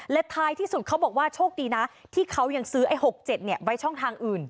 และท้ายที่สุดเขาบอกว่าโชคดีนะที่เขายังซื้อไอ้๖๗ไว้ช่องทางอื่น